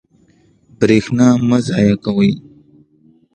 برښنا مه ضایع کوئ